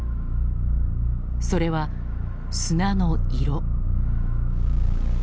それは砂の色。